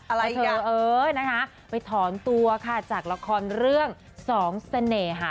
อะไรอ่ะเออนะคะไปถอนตัวค่ะจากละครเรื่องสองเสน่หา